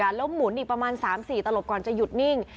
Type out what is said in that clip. แล้วหมุนอีกประมาณ๓๔ตลบก่อนจะหยุดนิ่ง